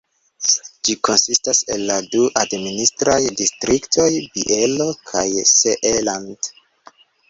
Ĝi konsistas el la du administraj distriktoj Bielo kaj Seeland.